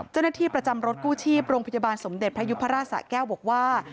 เจ้าหน้าที่ประจำรถกู้ชีพโรงพยาบาลสมเด็จพระยุพราชสะแก้วบอกว่า